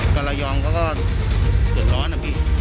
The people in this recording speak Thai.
กระลายองก็ก็เกิดร้อนนะพี่